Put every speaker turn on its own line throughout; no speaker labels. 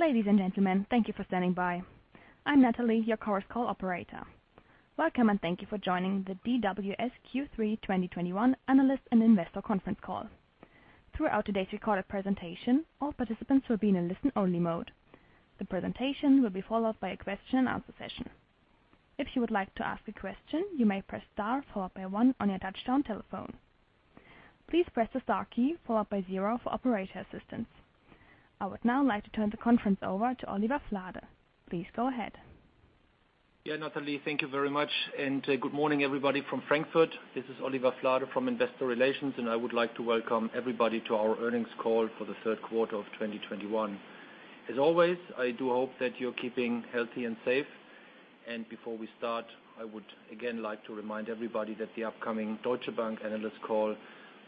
Ladies and gentlemen, thank you for standing by. I'm Natalie, your Chorus Call operator. Welcome, and thank you for joining the DWS Q3 2021 analyst and investor conference call. Throughout today's recorded presentation, all participants will be in listen-only mode. The presentation will be followed by a question and answer session. If you would like to ask a question, you may press star followed by one on your touchtone telephone. Please press the star key followed by zero for operator assistance. I would now like to turn the conference over to Oliver Flade. Please go ahead.
Yeah, Natalie, thank you very much, and good morning, everybody from Frankfurt. This is Oliver Flade from Investor Relations, and I would like to welcome everybody to our earnings call for the third quarter of 2021. As always, I do hope that you're keeping healthy and safe. Before we start, I would again like to remind everybody that the upcoming Deutsche Bank analyst call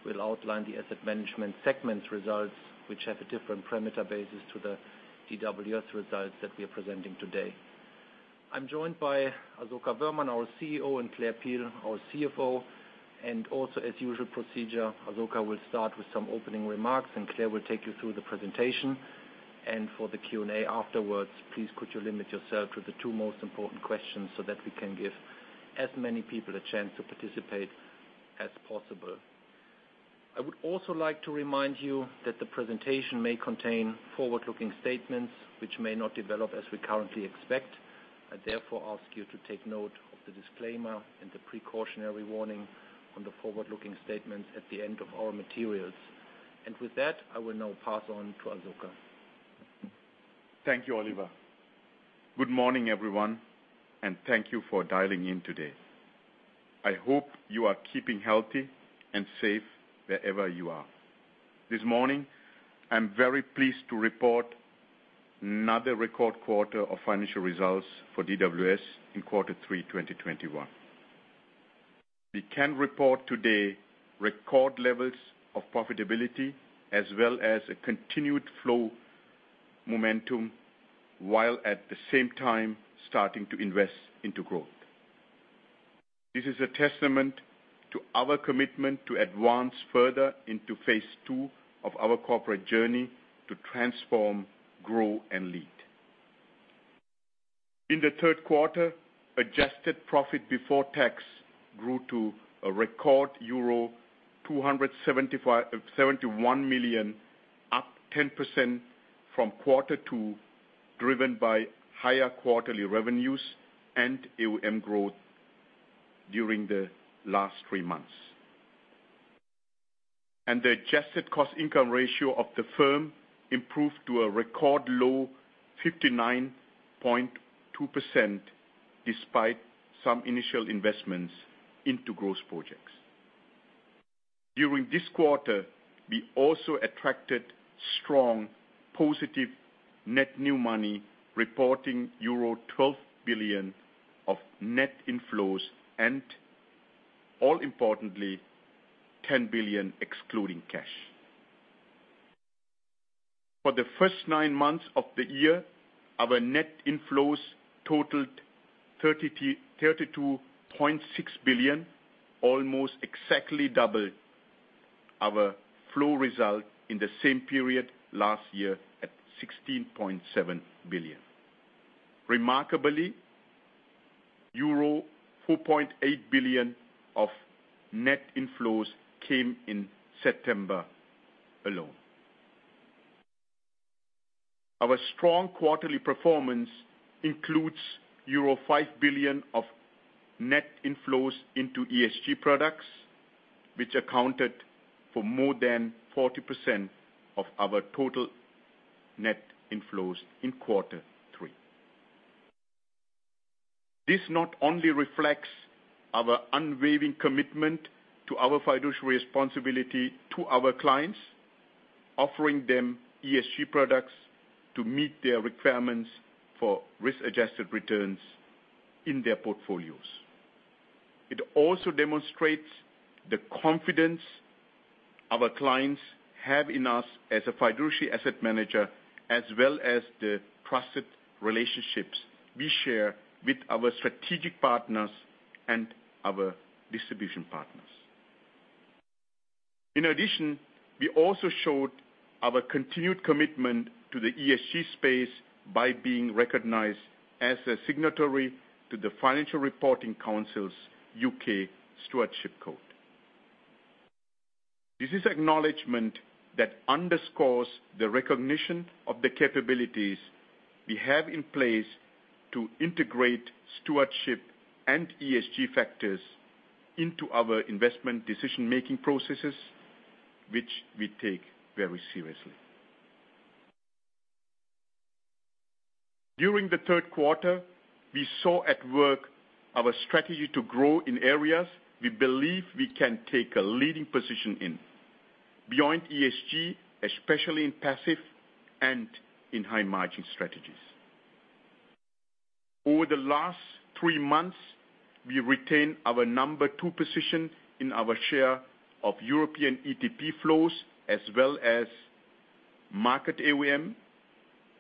will outline the asset management segment results, which have a different parameter basis to the DWS results that we are presenting today. I'm joined by Asoka Wöhrmann, our CEO, and Claire Peel, our CFO. Also, as usual procedure, Asoka will start with some opening remarks, and Claire will take you through the presentation. For the Q&A afterwards, please could you limit yourself to the two most important questions so that we can give as many people a chance to participate as possible. I would also like to remind you that the presentation may contain forward-looking statements which may not develop as we currently expect. I therefore ask you to take note of the disclaimer and the precautionary warning on the forward-looking statements at the end of our materials. With that, I will now pass on to Asoka Wöhrmann.
Thank you, Oliver. Good morning, everyone, and thank you for dialing in today. I hope you are keeping healthy and safe wherever you are. This morning, I'm very pleased to report another record quarter of financial results for DWS in quarter three, 2021. We can report today record levels of profitability as well as a continued flow momentum while at the same time starting to invest into growth. This is a testament to our commitment to advance further into phase two of our corporate journey to transform, grow, and lead. In the third quarter, adjusted profit before tax grew to a record euro 271 million, up 10% from quarter two, driven by higher quarterly revenues and AUM growth during the last three months. The adjusted cost income ratio of the firm improved to a record low 59.2% despite some initial investments into growth projects. During this quarter, we also attracted strong positive net new money, reporting euro 12 billion of net inflows and, all importantly, 10 billion excluding cash. For the first nine months of the year, our net inflows totaled 32.6 billion, almost exactly double our flow result in the same period last year at 16.7 billion. Remarkably, euro 4.8 billion of net inflows came in September alone. Our strong quarterly performance includes euro 5 billion of net inflows into ESG products, which accounted for more than 40% of our total net inflows in quarter three. This not only reflects our unwavering commitment to our fiduciary responsibility to our clients, offering them ESG products to meet their requirements for risk-adjusted returns in their portfolios. It also demonstrates the confidence our clients have in us as a fiduciary asset manager as well as the trusted relationships we share with our strategic partners and our distribution partners. In addition, we also showed our continued commitment to the ESG space by being recognized as a signatory to the Financial Reporting Council's UK Stewardship Code. This is acknowledgment that underscores the recognition of the capabilities we have in place to integrate stewardship and ESG factors into our investment decision-making processes, which we take very seriously. During the third quarter, we saw at work our strategy to grow in areas we believe we can take a leading position in. Beyond ESG, especially in passive and in high margin strategies. Over the last three months, we retained our number two position in our share of European ETP flows as well as market AUM,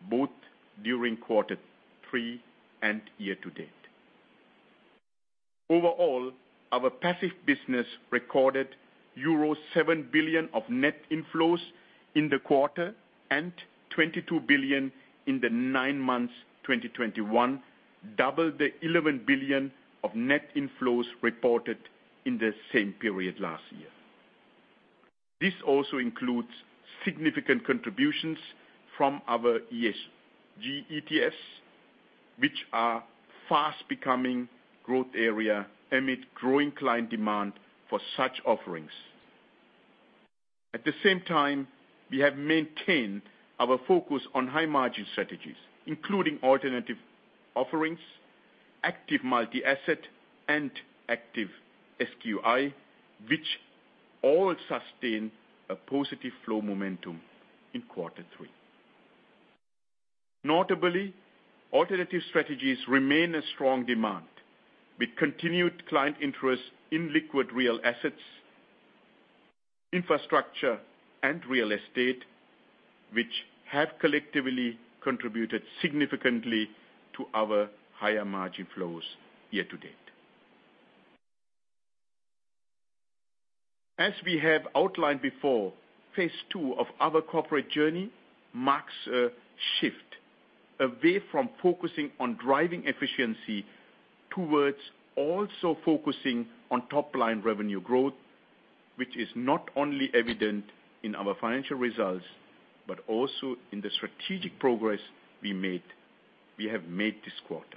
both during quarter three and year to date. Overall, our passive business recorded euro 7 billion of net inflows in the quarter and 22 billion in the nine months 2021, double the 11 billion of net inflows reported in the same period last year. This also includes significant contributions from our ESG ETFs, which are fast becoming a growth area amid growing client demand for such offerings. At the same time, we have maintained our focus on high margin strategies, including alternative offerings, active multi-asset, and active SQI, which all sustain a positive flow momentum in quarter three. Notably, alternative strategies remain a strong demand with continued client interest in liquid real assets, infrastructure and real estate, which have collectively contributed significantly to our higher margin flows year to date. As we have outlined before, phase two of our corporate journey marks a shift away from focusing on driving efficiency towards also focusing on top line revenue growth, which is not only evident in our financial results, but also in the strategic progress we have made this quarter.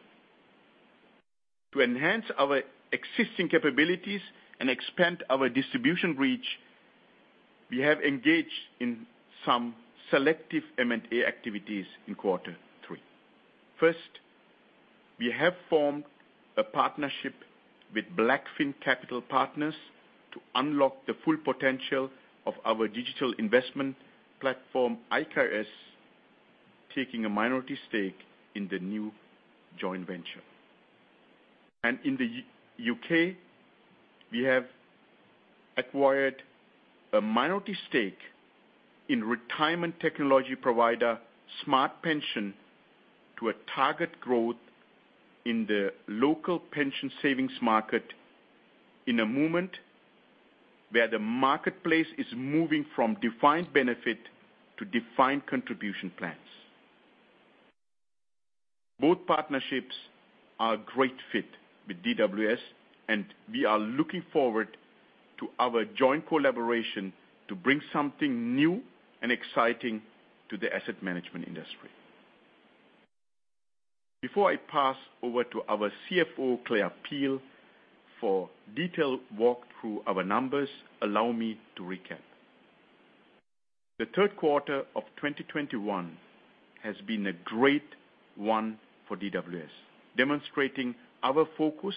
To enhance our existing capabilities and expand our distribution reach, we have engaged in some selective M&A activities in quarter three. First, we have formed a partnership with BlackFin Capital Partners to unlock the full potential of our digital investment platform, IKS, taking a minority stake in the new joint venture. In the U.K., we have acquired a minority stake in retirement technology provider, Smart Pension, to target growth in the local pension savings market in a moment where the marketplace is moving from defined benefit to defined contribution plans. Both partnerships are a great fit with DWS, and we are looking forward to our joint collaboration to bring something new and exciting to the asset management industry. Before I pass over to our CFO, Claire Peel, for a detailed walkthrough of our numbers, allow me to recap. The third quarter of 2021 has been a great one for DWS, demonstrating our focus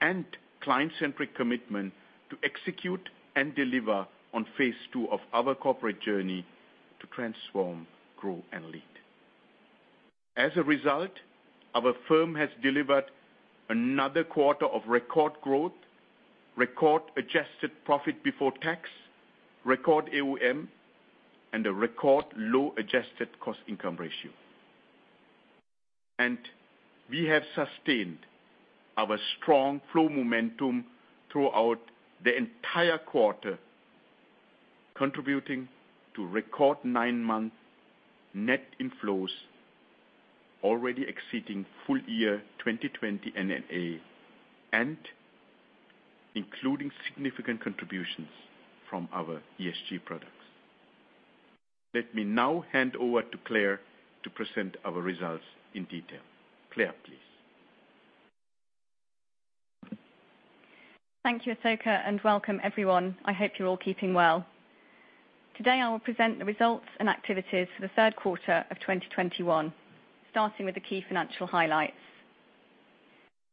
and client-centric commitment to execute and deliver on phase two of our corporate journey to transform, grow and lead. As a result, our firm has delivered another quarter of record growth, record adjusted profit before tax, record AUM, and a record low-adjusted cost income ratio. We have sustained our strong flow momentum throughout the entire quarter, contributing to record nine-month net inflows already exceeding full year 2020 NNA and including significant contributions from our ESG products. Let me now hand over to Claire to present our results in detail. Claire, please.
Thank you, Asoka, and welcome everyone. I hope you're all keeping well. Today I will present the results and activities for the third quarter of 2021, starting with the key financial highlights.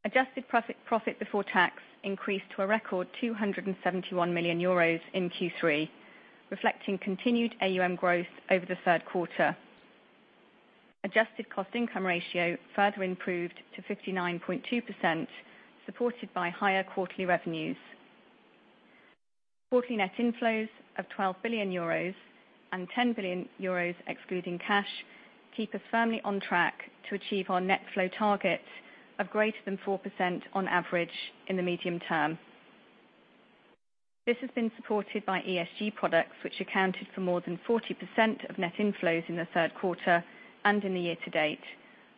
Adjusted profit before tax increased to a record 271 million euros in Q3, reflecting continued AUM growth over the third quarter. Adjusted cost income ratio further improved to 59.2%, supported by higher quarterly revenues. Quarterly net inflows of 12 billion euros and 10 billion euros excluding cash keep us firmly on track to achieve our net flow target of greater than 4% on average in the medium term. This has been supported by ESG products, which accounted for more than 40% of net inflows in the third quarter and in the year to date,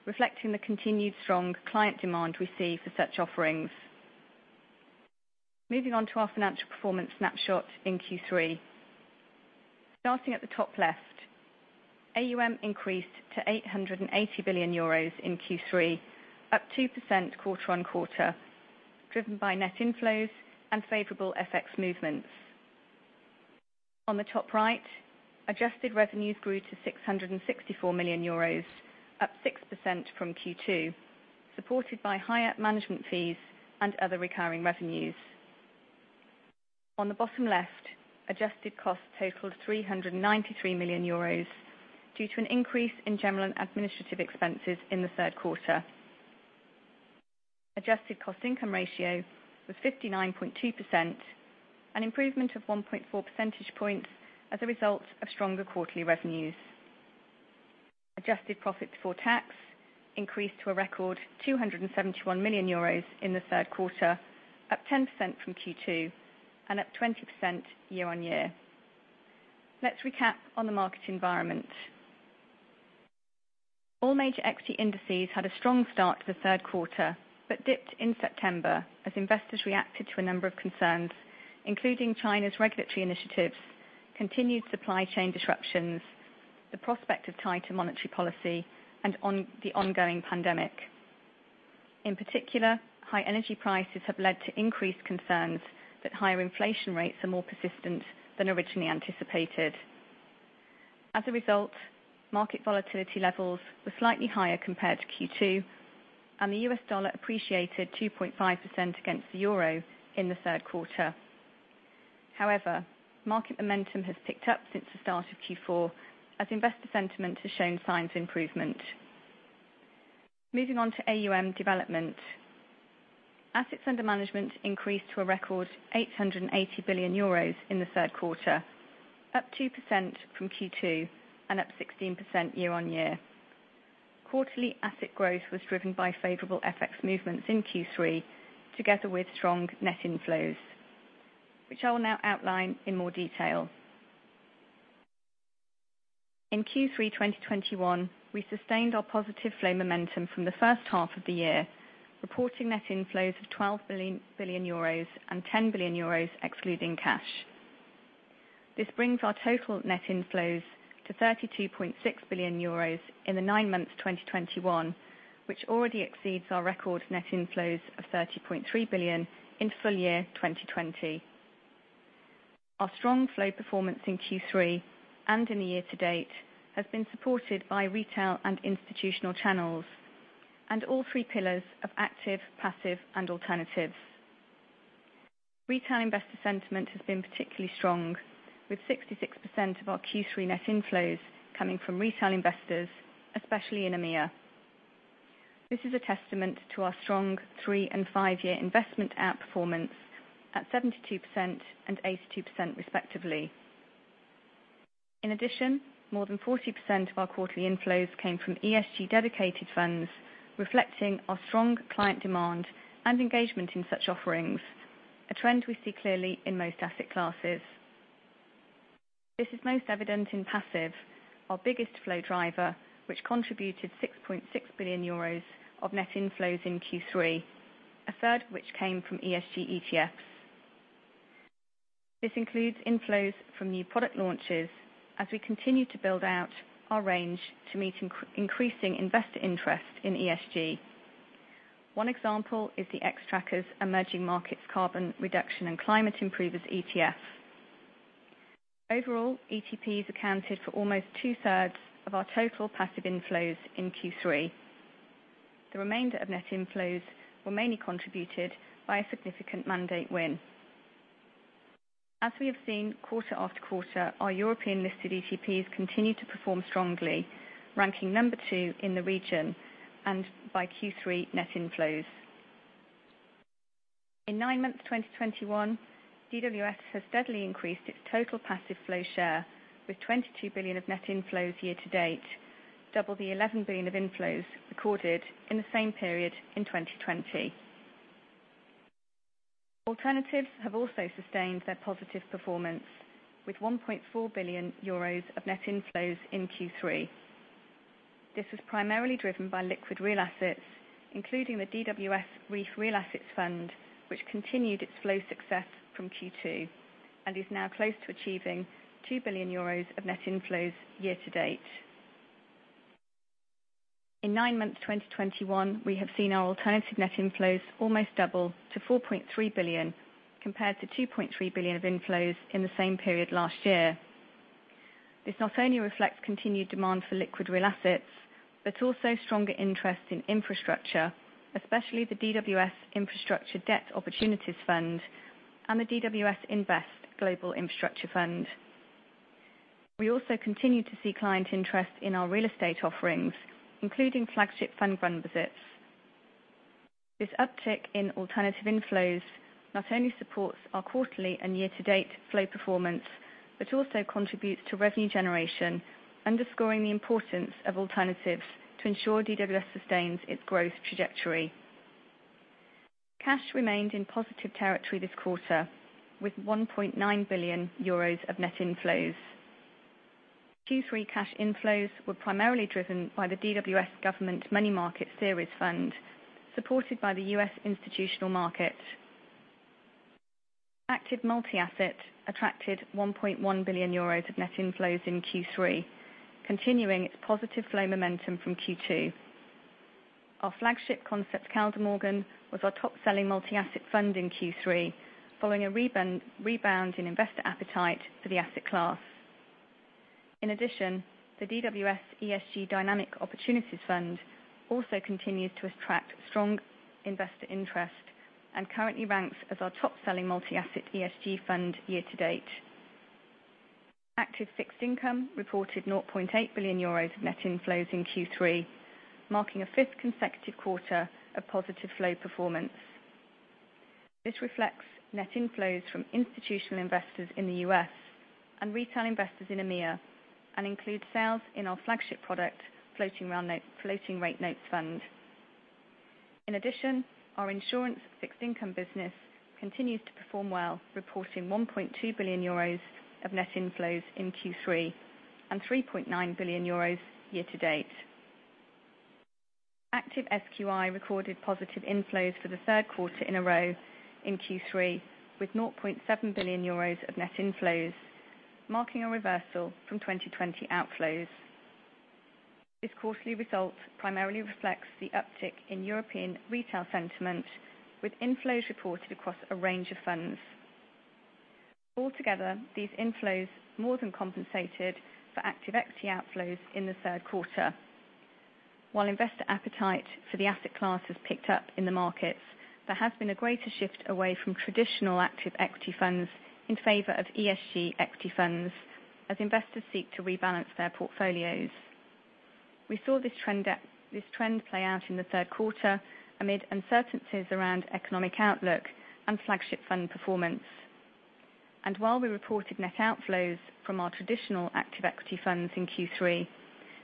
reflecting the continued strong client demand we see for such offerings. Moving on to our financial performance snapshot in Q3. Starting at the top left, AUM increased to 880 billion euros in Q3, up 2% quarter-over-quarter, driven by net inflows and favorable FX movements. On the top right, adjusted revenues grew to 664 million euros, up 6% from Q2, supported by higher management fees and other recurring revenues. On the bottom left, adjusted costs totaled 393 million euros due to an increase in general and administrative expenses in the third quarter. Adjusted cost income ratio was 59.2%, an improvement of 1.4 percentage points as a result of stronger quarterly revenues. Adjusted profits before tax increased to a record 271 million euros in the third quarter, up 10% from Q2 and up 20% year-over-year. Let's recap on the market environment. All major equity indices had a strong start to the third quarter, but dipped in September as investors reacted to a number of concerns, including China's regulatory initiatives, continued supply chain disruptions, the prospect of tighter monetary policy, and on the ongoing pandemic. In particular, high energy prices have led to increased concerns that higher inflation rates are more persistent than originally anticipated. As a result, market volatility levels were slightly higher compared to Q2, and the US dollar appreciated 2.5% against the euro in the third quarter. However, market momentum has picked up since the start of Q4 as investor sentiment has shown signs of improvement. Moving on to AUM development. Assets under management increased to a record 880 billion euros in the third quarter, up 2% from Q2 and up 16% year on year. Quarterly asset growth was driven by favorable FX movements in Q3 together with strong net inflows, which I will now outline in more detail. In Q3 2021, we sustained our positive flow momentum from the first half of the year, reporting net inflows of 12 billion and 10 billion euros excluding cash. This brings our total net inflows to 32.6 billion euros in the nine months 2021, which already exceeds our record net inflows of 30.3 billion in full year 2020. Our strong flow performance in Q3 and in the year to date has been supported by retail and institutional channels, and all three pillars of active, passive and alternatives. Retail investor sentiment has been particularly strong, with 66% of our Q3 net inflows coming from retail investors, especially in EMEA. This is a testament to our strong three- and five-year investment outperformance at 72% and 82% respectively. In addition, more than 40% of our quarterly inflows came from ESG dedicated funds, reflecting our strong client demand and engagement in such offerings, a trend we see clearly in most asset classes. This is most evident in passive, our biggest flow driver, which contributed 6.6 billion euros of net inflows in Q3, a third of which came from ESG ETFs. This includes inflows from new product launches as we continue to build out our range to meet increasing investor interest in ESG. One example is the Xtrackers Emerging Markets Carbon Reduction and Climate Improvers ETF. Overall, ETPs accounted for almost two-thirds of our total passive inflows in Q3. The remainder of net inflows were mainly contributed by a significant mandate win. As we have seen quarter after quarter, our European-listed ETPs continue to perform strongly, ranking number two in the region and by Q3 net inflows. In nine months, 2021, DWS has steadily increased its total passive flow share with 22 billion of net inflows year to date, double the 11 billion of inflows recorded in the same period in 2020. Alternatives have also sustained their positive performance with 1.4 billion euros of net inflows in Q3. This was primarily driven by liquid real assets, including the DWS RREEF Real Assets Fund, which continued its flow success from Q2 and is now close to achieving 2 billion euros of net inflows year to date. In nine months, 2021, we have seen our alternative net inflows almost double to 4.3 billion, compared to 2.3 billion of inflows in the same period last year. This not only reflects continued demand for liquid real assets, but also stronger interest in infrastructure, especially the DWS Infrastructure Debt Opportunities Fund and the DWS Invest Global Infrastructure Fund. We also continue to see client interest in our real estate offerings, including flagship fund RREEF. This uptick in alternative inflows not only supports our quarterly and year-to-date flow performance, but also contributes to revenue generation, underscoring the importance of alternatives to ensure DWS sustains its growth trajectory. Cash remained in positive territory this quarter with 1.9 billion euros of net inflows. Q3 cash inflows were primarily driven by the DWS Government Money Market Series Fund, supported by the U.S. institutional market. Active multi-asset attracted 1.1 billion euros of net inflows in Q3, continuing its positive flow momentum from Q2. Our flagship Concept Kaldemorgen was our top-selling multi-asset fund in Q3 following a rebound in investor appetite for the asset class. In addition, the DWS ESG Dynamic Opportunities Fund also continues to attract strong investor interest and currently ranks as our top-selling multi-asset ESG fund year to date. Active fixed income reported 0.8 billion euros of net inflows in Q3, marking a fifth consecutive quarter of positive flow performance. This reflects net inflows from institutional investors in the U.S. and retail investors in EMEA, and includes sales in our flagship product, floating rate note fund. In addition, our insurance fixed income business continues to perform well, reporting 1.2 billion euros of net inflows in Q3 and 3.9 billion euros year-to-date. Active SQI recorded positive inflows for the third quarter in a row in Q3, with 0.7 billion euros of net inflows, marking a reversal from 2020 outflows. This quarterly result primarily reflects the uptick in European retail sentiment, with inflows reported across a range of funds. Altogether, these inflows more than compensated for active equity outflows in the third quarter. While investor appetite for the asset class has picked up in the markets, there has been a greater shift away from traditional active equity funds in favor of ESG equity funds as investors seek to rebalance their portfolios. We saw this trend play out in the third quarter amid uncertainties around economic outlook and flagship fund performance. While we reported net outflows from our traditional active equity funds in Q3,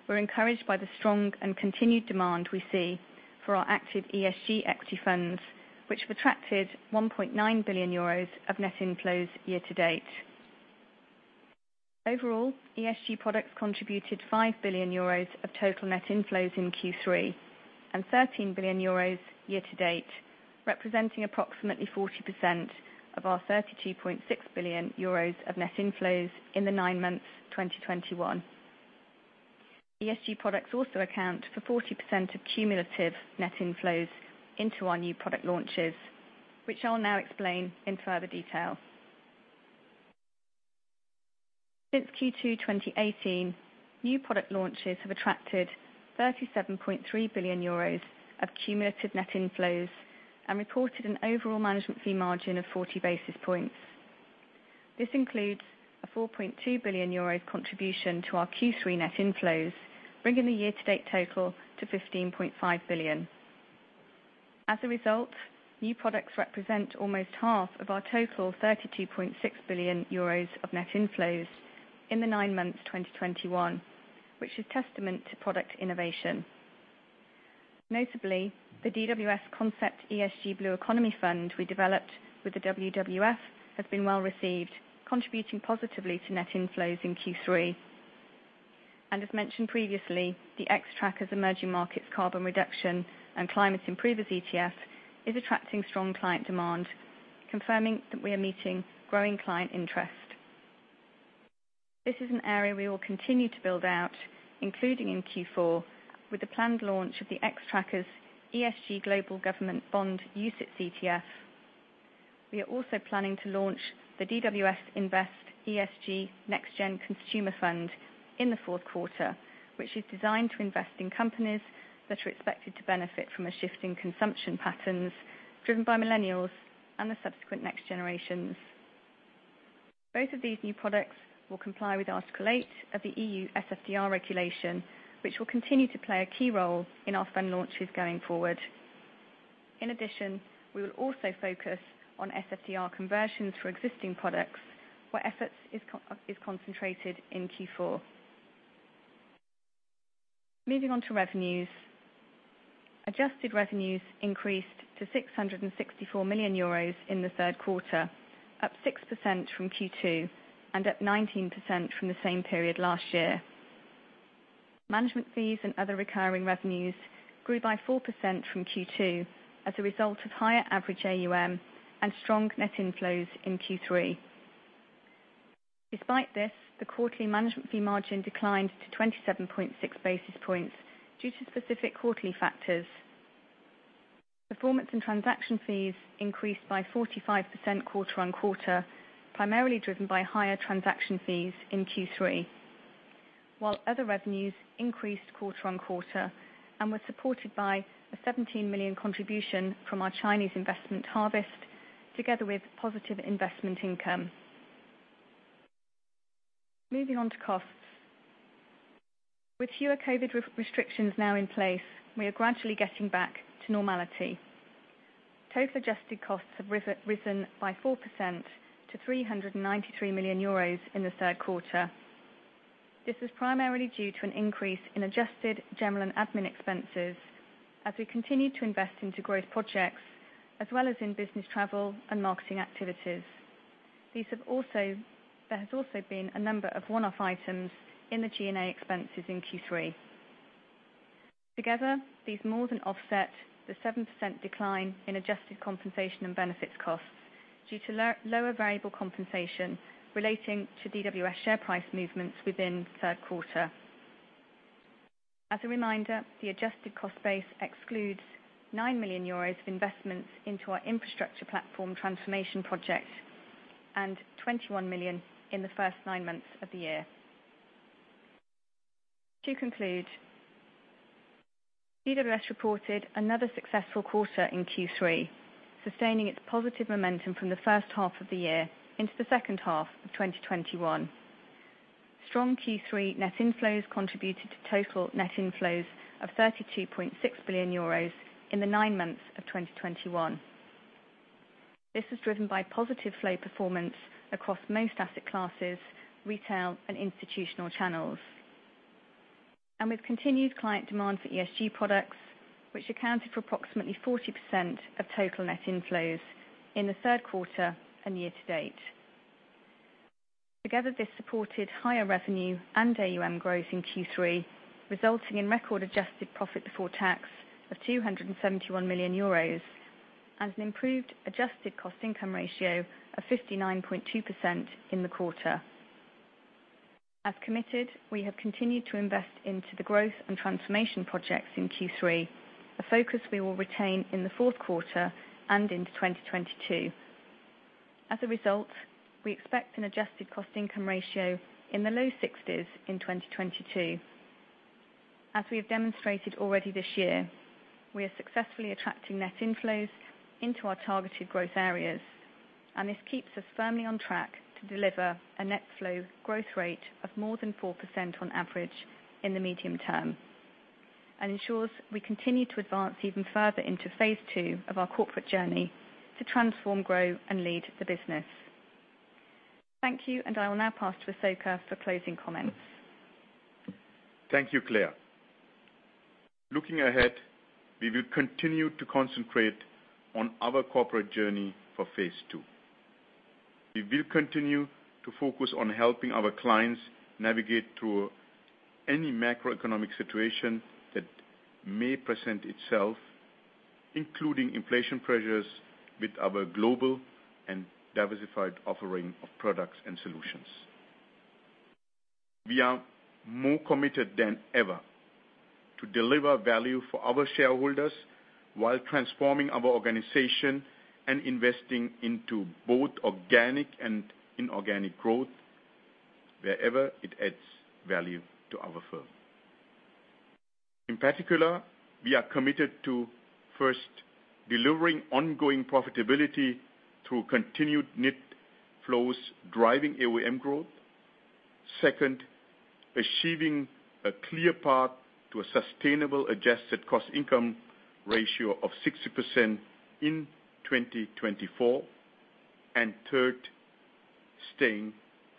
we're encouraged by the strong and continued demand we see for our active ESG equity funds, which have attracted 1.9 billion euros of net inflows year-to-date. Overall, ESG products contributed 5 billion euros of total net inflows in Q3 and 13 billion euros year-to-date, representing approximately 40% of our 32.6 billion euros of net inflows in the nine months 2021. ESG products also account for 40% of cumulative net inflows into our new product launches, which I'll now explain in further detail. Since Q2 2018, new product launches have attracted 37.3 billion euros of cumulative net inflows and reported an overall management fee margin of 40 basis points. This includes a 4.2 billion euros contribution to our Q3 net inflows, bringing the year-to-date total to 15.5 billion. As a result, new products represent almost half of our total 32.6 billion euros of net inflows in the nine months 2021, which is testament to product innovation. Notably, the DWS Concept ESG Blue Economy Fund we developed with the WWF has been well-received, contributing positively to net inflows in Q3. As mentioned previously, the Xtrackers Emerging Markets Carbon Reduction and Climate Improvers ETF is attracting strong client demand, confirming that we are meeting growing client interest. This is an area we will continue to build out, including in Q4, with the planned launch of the Xtrackers ESG Global Government Bond UCITS ETF. We are also planning to launch the DWS Invest ESG NextGen Consumer fund in the fourth quarter, which is designed to invest in companies that are expected to benefit from a shift in consumption patterns driven by millennials and the subsequent next generations. Both of these new products will comply with Article 8 of the EU SFDR regulation, which will continue to play a key role in our fund launches going forward. In addition, we will also focus on SFDR conversions for existing products, where efforts is concentrated in Q4. Moving on to revenues. Adjusted revenues increased to 664 million euros in the third quarter, up 6% from Q2 and up 19% from the same period last year. Management fees and other recurring revenues grew by 4% from Q2 as a result of higher average AUM and strong net inflows in Q3. Despite this, the quarterly management fee margin declined to 27.6 basis points due to specific quarterly factors. Performance and transaction fees increased by 45% quarter-over-quarter, primarily driven by higher transaction fees in Q3. While other revenues increased quarter-over-quarter and were supported by a 17 million contribution from our Chinese investment Harvest, together with positive investment income. Moving on to costs. With fewer COVID restrictions now in place, we are gradually getting back to normality. Total adjusted costs have risen by 4% to 393 million euros in the third quarter. This was primarily due to an increase in adjusted general and administrative expenses as we continue to invest into growth projects as well as in business travel and marketing activities. There has also been a number of one-off items in the G&A expenses in Q3. Together, these more than offset the 7% decline in adjusted compensation and benefits costs due to lower variable compensation relating to DWS share price movements within the third quarter. As a reminder, the adjusted cost base excludes 9 million euros of investments into our infrastructure platform transformation project and 21 million in the first nine months of the year. To conclude, DWS reported another successful quarter in Q3, sustaining its positive momentum from the first half of the year into the second half of 2021. Strong Q3 net inflows contributed to total net inflows of 32.6 billion euros in the nine months of 2021. This is driven by positive flow performance across most asset classes, retail and institutional channels. With continued client demand for ESG products, which accounted for approximately 40% of total net inflows in the third quarter and year to date. Together, this supported higher revenue and AUM growth in Q3, resulting in record adjusted profit before tax of 271 million euros and an improved adjusted cost income ratio of 59.2% in the quarter. As committed, we have continued to invest into the growth and transformation projects in Q3. A focus we will retain in the fourth quarter and into 2022. As a result, we expect an adjusted cost income ratio in the low 60s in 2022. As we have demonstrated already this year, we are successfully attracting net inflows into our targeted growth areas, and this keeps us firmly on track to deliver a net flow growth rate of more than 4% on average in the medium term. Ensures we continue to advance even further into phase two of our corporate journey to transform, grow and lead the business. Thank you, and I will now pass to Asoka for closing comments.
Thank you, Claire. Looking ahead, we will continue to concentrate on our corporate journey for phase two. We will continue to focus on helping our clients navigate through any macroeconomic situation that may present itself, including inflation pressures with our global and diversified offering of products and solutions. We are more committed than ever to deliver value for our shareholders while transforming our organization and investing into both organic and inorganic growth wherever it adds value to our firm. In particular, we are committed to, first, delivering ongoing profitability through continued net flows, driving AUM growth. Second, achieving a clear path to a sustainable adjusted cost-income ratio of 60% in 2024. Third, staying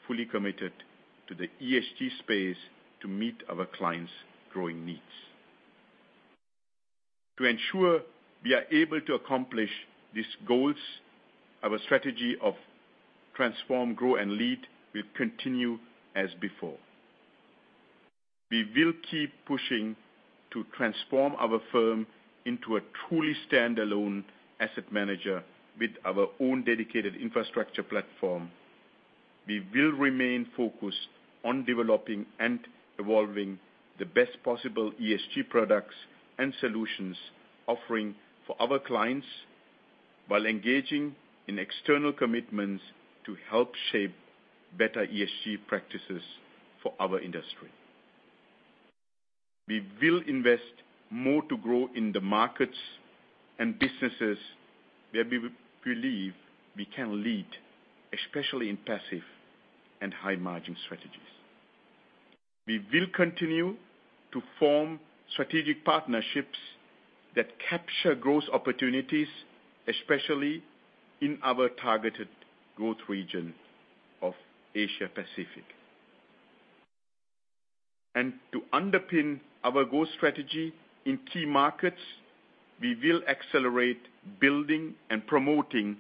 fully committed to the ESG space to meet our clients' growing needs. To ensure we are able to accomplish these goals, our strategy of transform, grow and lead will continue as before. We will keep pushing to transform our firm into a truly standalone asset manager with our own dedicated infrastructure platform. We will remain focused on developing and evolving the best possible ESG products and solutions offering for our clients, while engaging in external commitments to help shape better ESG practices for our industry. We will invest more to grow in the markets and businesses where we believe we can lead, especially in passive and high margin strategies. We will continue to form strategic partnerships that capture growth opportunities, especially in our targeted growth region of Asia Pacific. To underpin our growth strategy in key markets, we will accelerate building and promoting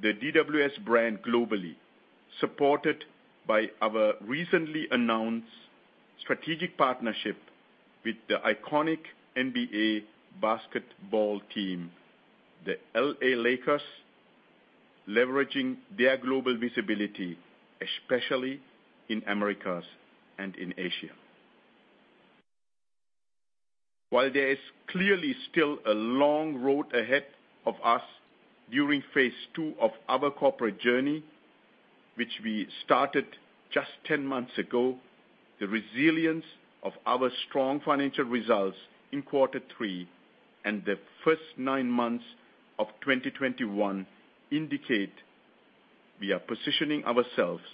the DWS brand globally, supported by our recently announced strategic partnership with the iconic NBA basketball team, the LA Lakers, leveraging their global visibility, especially in Americas and in Asia. While there is clearly still a long road ahead of us during phase two of our corporate journey, which we started just 10 months ago, the resilience of our strong financial results in quarter three and the first nine months of 2021 indicate we are positioning ourselves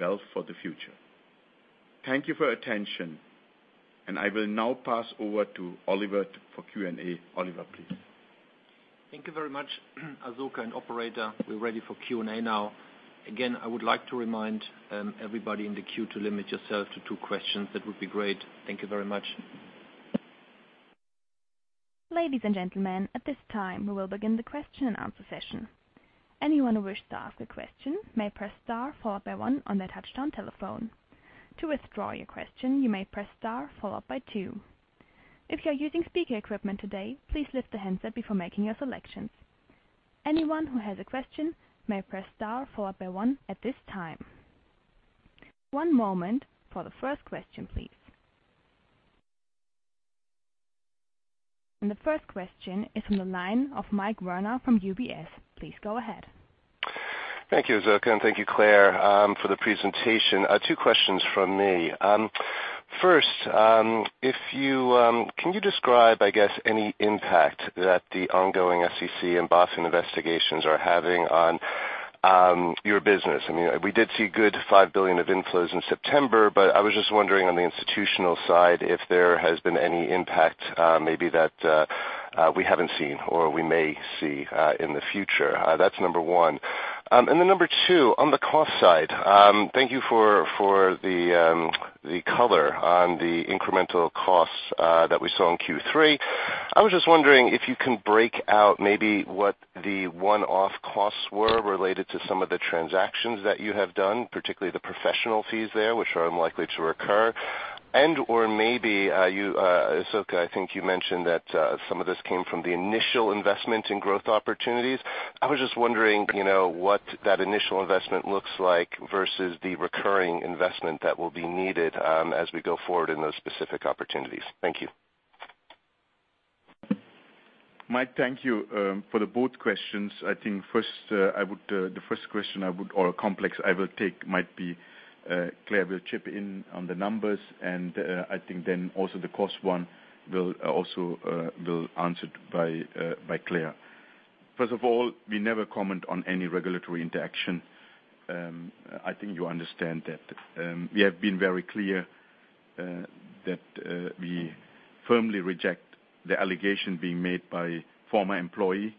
well for the future. Thank you for your attention, and I will now pass over to Oliver for Q&A. Oliver, please.
Thank you very much, Asoka and operator. We're ready for Q&A now. Again, I would like to remind everybody in the queue to limit yourself to two questions. That would be great. Thank you very much.
Ladies and gentlemen, at this time, we will begin the question and answer session. Anyone who wishes to ask a question may press star followed by one on their touchtone telephone. To withdraw your question, you may press star followed by two. If you are using speaker equipment today, please lift the handset before making your selections. Anyone who has a question may press star followed by one at this time. One moment for the first question, please. The first question is from the line of Michael Werner from UBS. Please go ahead.
Thank you, Asoka, and thank you, Claire, for the presentation. Two questions from me. First, can you describe, I guess, any impact that the ongoing SEC and BaFin investigations are having on your business? I mean, we did see 5 billion of inflows in September, but I was just wondering on the institutional side, if there has been any impact, maybe that we haven't seen or we may see in the future. That's number one. And then number two, on the cost side, thank you for the color on the incremental costs that we saw in Q3. I was just wondering if you can break out maybe what the one-off costs were related to some of the transactions that you have done, particularly the professional fees there, which are unlikely to recur, and/or maybe, you, Asoka, I think you mentioned that, some of this came from the initial investment in growth opportunities. I was just wondering, you know, what that initial investment looks like versus the recurring investment that will be needed, as we go forward in those specific opportunities. Thank you.
Mike, thank you for both questions. I think first, the first question or complex I will take might be. Claire will chip in on the numbers, and I think then also the cost one will also be answered by Claire. First of all, we never comment on any regulatory interaction. I think you understand that. We have been very clear that we firmly reject the allegation being made by former employee.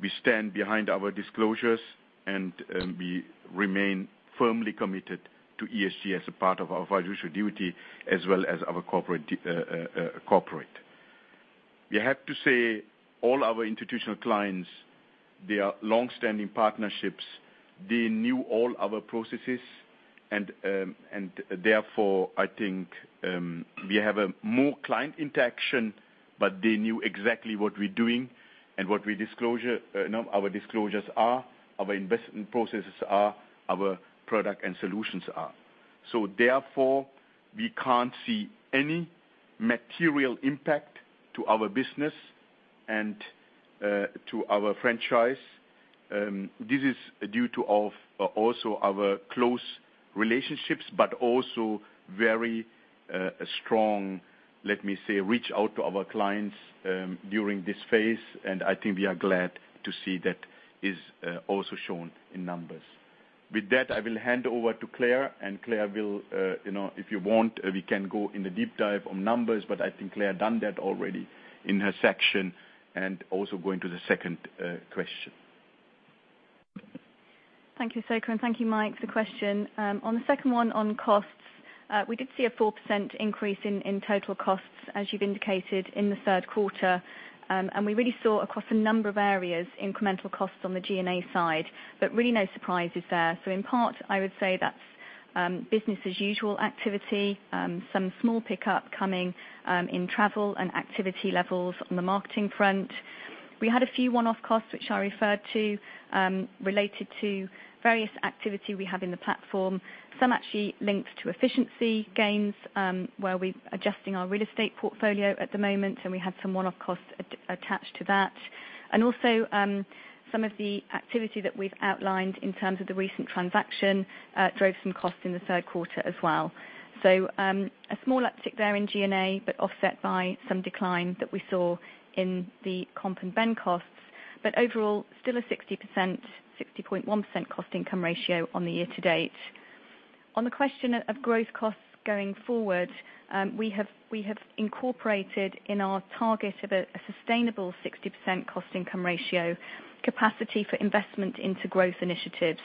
We stand behind our disclosures, and we remain firmly committed to ESG as a part of our fiduciary duty as well as our corporate. We have to say all our institutional clients, they are long-standing partnerships. They knew all our processes and therefore, I think, we have more client interaction, but they knew exactly what we're doing and what we disclose, our disclosures, our investment processes, our products and solutions. Therefore, we can't see any material impact to our business and to our franchise. This is due to also our close relationships, but also very strong, let me say, reach out to our clients during this phase, and I think we are glad to see that is also shown in numbers. With that, I will hand over to Claire, and Claire will, you know, if you want, we can go in the deep dive on numbers, but I think Claire done that already in her section, and also going to the second question.
Thank you, Asoka, and thank you, Mike, for the question. On the second one on costs, we did see a 4% increase in total costs, as you've indicated in the third quarter. We really saw across a number of areas incremental costs on the G&A side, but really no surprises there. In part, I would say that's business as usual activity, some small pickup coming in travel and activity levels on the marketing front. We had a few one-off costs which I referred to, related to various activity we have in the platform. Some actually linked to efficiency gains, where we are adjusting our real estate portfolio at the moment, and we had some one-off costs attached to that. Also, some of the activity that we've outlined in terms of the recent transaction drove some costs in the third quarter as well. A small uptick there in G&A, but offset by some decline that we saw in the comp and ben costs. Overall, still a 60%, 60.1% cost income ratio on the year to date. On the question of growth costs going forward, we have incorporated in our target of a sustainable 60% cost income ratio capacity for investment into growth initiatives.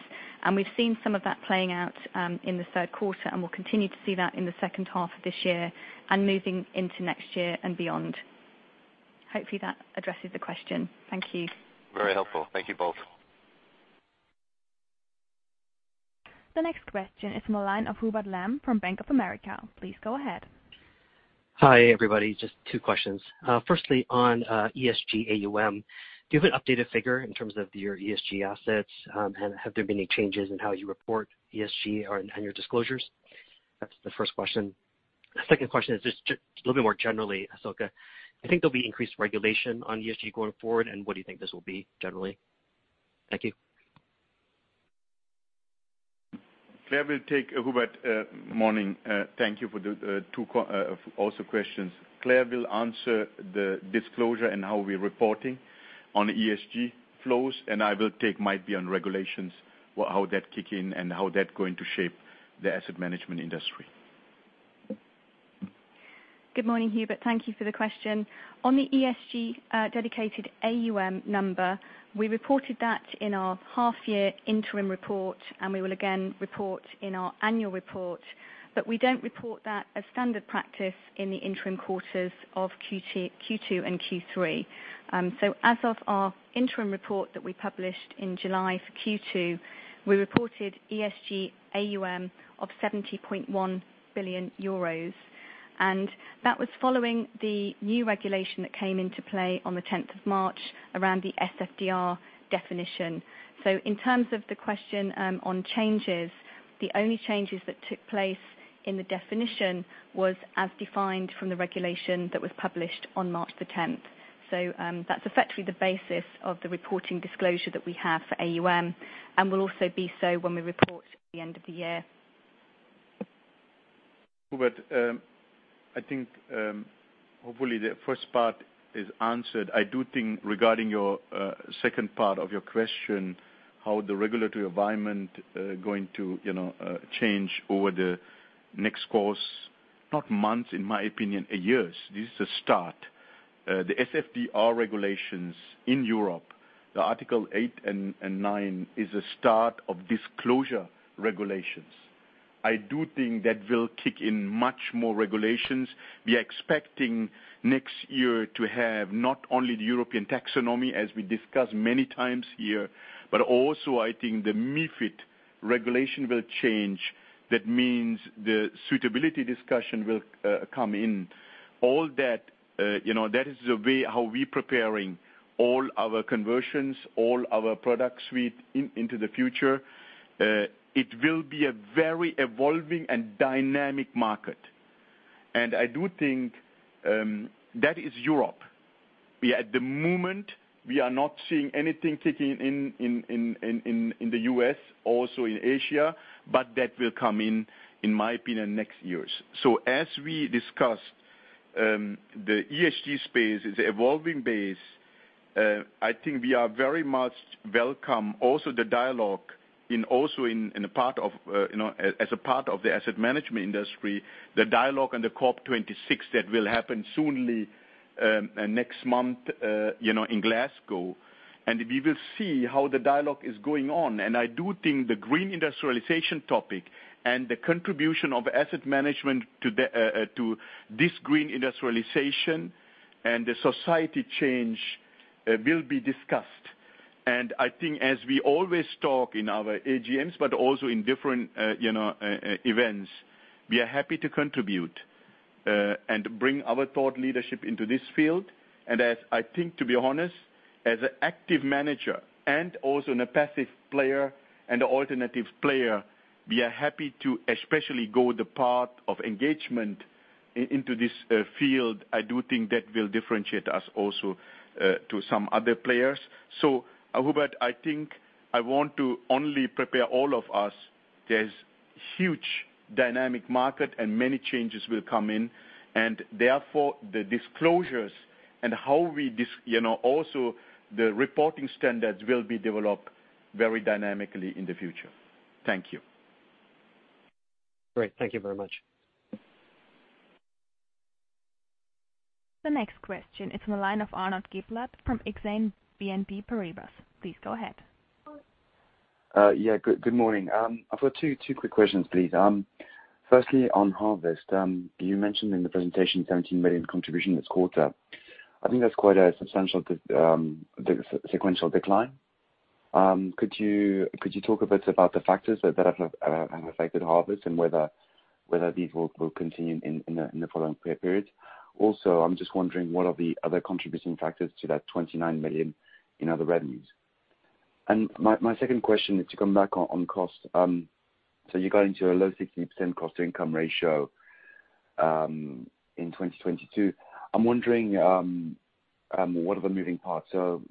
We've seen some of that playing out in the third quarter, and we'll continue to see that in the second half of this year and moving into next year and beyond. Hopefully that addresses the question. Thank you.
Very helpful. Thank you both.
The next question is from the line of Hubert Lam from Bank of America. Please go ahead.
Hi, everybody. Just two questions. Firstly, on ESG AUM, do you have an updated figure in terms of your ESG assets? And have there been any changes in how you report ESG and your disclosures? That's the first question. The second question is just a little bit more generally, Asoka. I think there'll be increased regulation on ESG going forward, and what do you think this will be generally? Thank you.
Claire will take Hubert. Good morning. Thank you for the two questions also. Claire will answer the disclosure and how we're reporting on ESG flows, and I will take the one on regulations, how that's going to kick in and how that's going to shape the asset management industry.
Good morning, Hubert. Thank you for the question. On the ESG dedicated AUM number, we reported that in our half year interim report, and we will again report in our annual report. But we don't report that as standard practice in the interim quarters of Q2 and Q3. So as of our interim report that we published in July for Q2, we reported ESG AUM of 70.1 billion euros. That was following the new regulation that came into play on the 10th of March around the SFDR definition. In terms of the question on changes, the only changes that took place in the definition was as defined from the regulation that was published on March 10. That's effectively the basis of the reporting disclosure that we have for AUM, and will also be so when we report the end of the year.
I think hopefully the first part is answered. I do think regarding your second part of your question, how the regulatory environment going to you know change over the next course, not months in my opinion, years. This is a start. The SFDR regulations in Europe, the Article 8 and 9 is a start of disclosure regulations. I do think that will kick in much more regulations. We are expecting next year to have not only the EU Taxonomy as we discussed many times here, but also I think the MiFID regulation will change. That means the suitability discussion will come in. All that you know that is the way how we preparing all our conversations, all our product suite into the future. It will be a very evolving and dynamic market. I do think that is Europe. We at the moment are not seeing anything kicking in in the U.S. also in Asia, but that will come in in my opinion next years. As we discussed, the ESG space is evolving fast. I think we are very much welcome also the dialogue in a part of you know as a part of the asset management industry, the dialogue and the COP26 that will happen soon next month you know in Glasgow. We will see how the dialogue is going on. I do think the green industrialization topic and the contribution of asset management to this green industrialization and the society change will be discussed. I think as we always talk in our AGMs, but also in different, you know, events, we are happy to contribute and bring our thought leadership into this field. As I think to be honest, as an active manager and also as a passive player and alternative player, we are happy to especially go the path of engagement into this field. I do think that will differentiate us also to some other players. Hubert, I think I want to only prepare all of us. There's a huge dynamic market and many changes will come in, and therefore the disclosures and how we disclose, you know, also the reporting standards will be developed very dynamically in the future. Thank you.
Great. Thank you very much.
The next question is from a line of Arnaud Giblat from Exane BNP Paribas. Please go ahead.
Good morning. I've got two quick questions, please. Firstly on Harvest. You mentioned in the presentation 17 million contribution this quarter. I think that's quite a substantial sequential decline. Could you talk a bit about the factors that have affected Harvest and whether these will continue in the following periods? I'm just wondering what are the other contributing factors to that 29 million in other revenues? My second question is to come back on cost. You got into a low 60% cost to income ratio in 2022. I'm wondering what are the moving parts?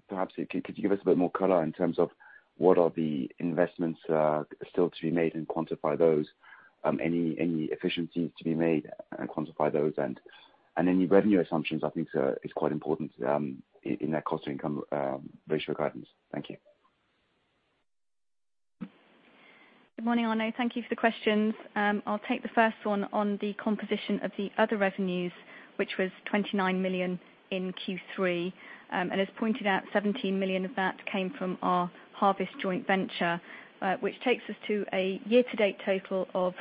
Perhaps could you give us a bit more color in terms of what are the investments still to be made and quantify those, any efficiencies to be made and quantify those? Any revenue assumptions I think is quite important in that cost to income ratio guidance. Thank you.
Good morning, Arnaud. Thank you for the questions. I'll take the first one on the composition of the other revenues, which was 29 million in Q3. As pointed out, 17 million of that came from our Harvest joint venture, which takes us to a year-to-date total of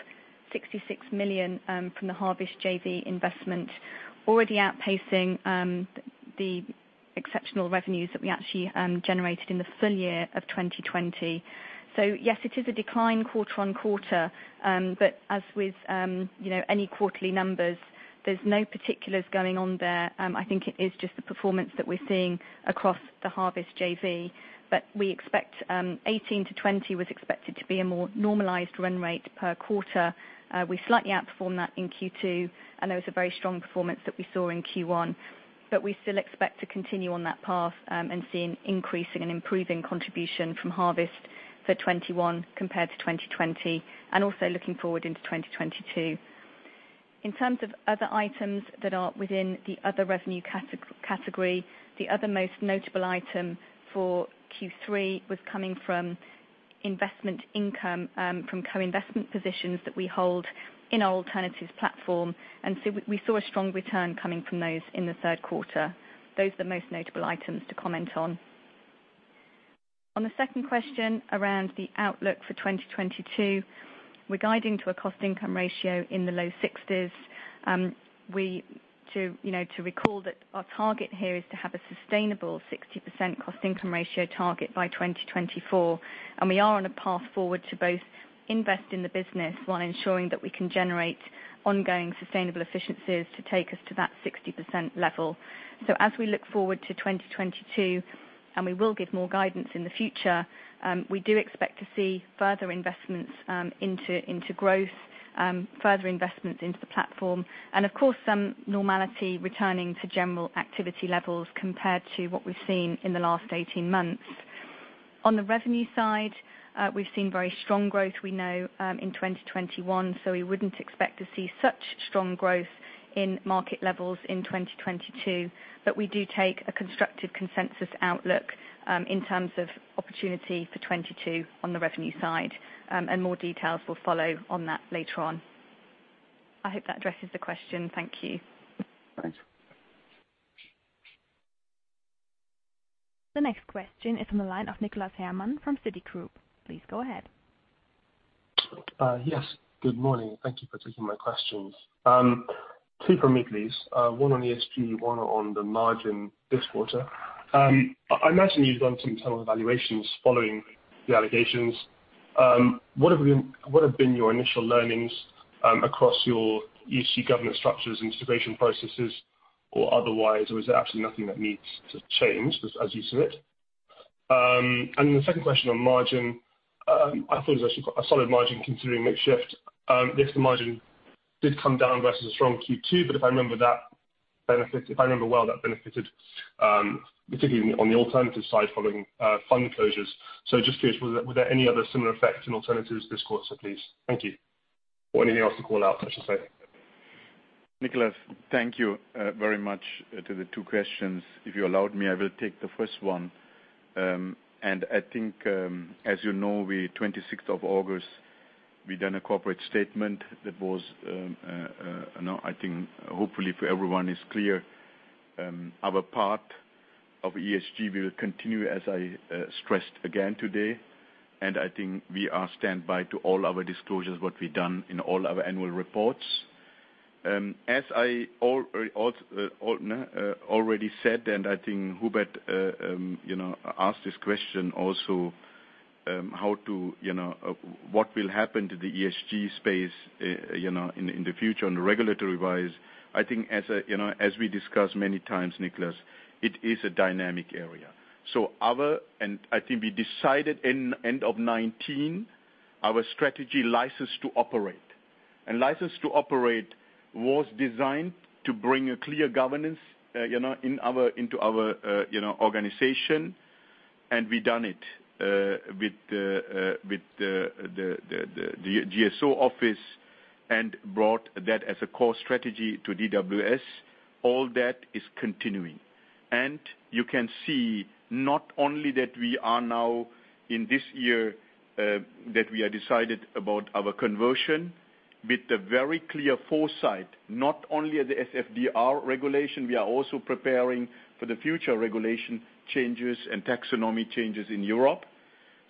66 million from the Harvest JV investment. Already outpacing the exceptional revenues that we actually generated in the full year of 2020. Yes, it is a decline quarter-over-quarter. As with you know, any quarterly numbers, there's no particulars going on there. I think it is just the performance that we're seeing across the Harvest JV, but we expect 18-20 was expected to be a more normalized run rate per quarter. We slightly outperformed that in Q2, and there was a very strong performance that we saw in Q1, but we still expect to continue on that path, and see an increasing and improving contribution from Harvest for 2021 compared to 2020, and also looking forward into 2022. In terms of other items that are within the other revenue category. The other most notable item for Q3 was coming from investment income, from co-investment positions that we hold in our alternatives platform. We saw a strong return coming from those in the third quarter. Those are the most notable items to comment on. On the second question around the outlook for 2022. We're guiding to a cost income ratio in the low sixties. We, you know, to recall that our target here is to have a sustainable 60% cost income ratio target by 2024. We are on a path forward to both invest in the business while ensuring that we can generate ongoing sustainable efficiencies to take us to that 60% level. As we look forward to 2022, we will give more guidance in the future. We do expect to see further investments into growth, further investments into the platform and, of course, some normality returning to general activity levels compared to what we've seen in the last 18 months. On the revenue side, we've seen very strong growth, you know, in 2021, so we wouldn't expect to see such strong growth in market levels in 2022. We do take a constructive consensus outlook, in terms of opportunity for 2022 on the revenue side, and more details will follow on that later on. I hope that addresses the question. Thank you.
Thanks.
The next question is from the line of Nicholas Herman from Citigroup. Please go ahead.
Yes, good morning. Thank you for taking my questions. Two from me, please. One on ESG, one on the margin this quarter. I imagine you've done some internal evaluations following the allegations. What have been your initial learnings across your ESG governance structures and sustainability processes or otherwise, or is there absolutely nothing that needs to change as you see it? The second question on margin. I thought it was actually quite a solid margin considering mix shift. Yes, the margin did come down versus a strong Q2, but if I remember that benefit, if I remember well, that benefited particularly on the alternatives side following fund closures. So just curious, was there any other similar effect in alternatives this quarter, please? Thank you. Or anything else to call out, I should say.
Nicholas, thank you very much for the two questions. If you allow me, I will take the first one. I think, as you know, on August 26, we've done a corporate statement that was, you know, I think hopefully for everyone is clear. Our part of ESG will continue, as I stressed again today. I think we stand by all our disclosures, what we've done in all our annual reports. As I already said, and I think Hubert asked this question also, how, you know, what will happen to the ESG space, you know, in the future and regulatory wise. I think as a, you know, as we discussed many times, Nicholas, it is a dynamic area. Our... I think we decided end of 2019, our strategy license to operate. License to operate was designed to bring a clear governance into our organization, and we done it with the GSO office and brought that as a core strategy to DWS. All that is continuing. You can see not only that we are now in this year that we are decided about our conversion with the very clear foresight, not only the SFDR regulation, we are also preparing for the future regulation changes and taxonomy changes in Europe.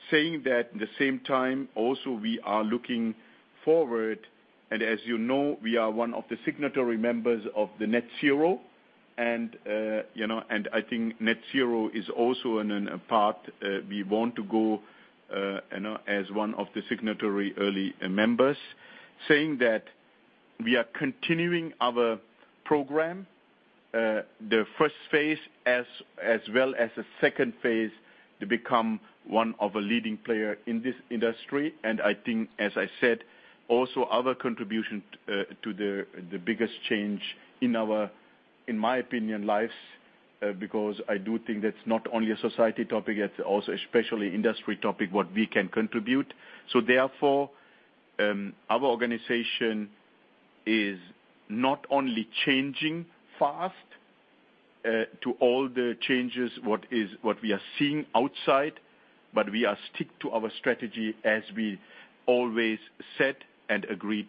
Saying that, at the same time, also we are looking forward, and as you know, we are one of the signatory members of the Net Zero, you know, and I think Net Zero is also a part we want to go, you know, as one of the signatory early members. Saying that we are continuing our program, the first phase as well as a second phase to become one of a leading player in this industry. I think, as I said, also our contribution to the biggest change in our, in my opinion, lives, because I do think that's not only a society topic, it's also especially industry topic what we can contribute. Therefore, our organization is not only changing fast to all the changes what we are seeing outside, but we are stick to our strategy as we always said and agreed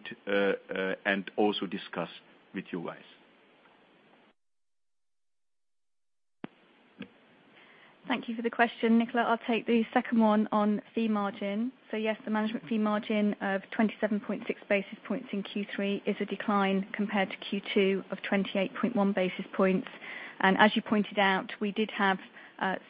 and also discussed with you guys.
Thank you for the question, Nicholas. I'll take the second one on fee margin. Yes, the management fee margin of 27.6 basis points in Q3 is a decline compared to Q2 of 28.1 basis points. As you pointed out, we did have